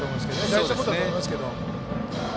大事なことだと思いますが。